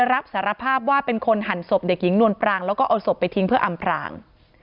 รับสารภาพว่าเป็นคนหั่นศพเด็กหญิงนวลปรังแล้วก็เอาศพไปทิ้งเพื่ออำพราง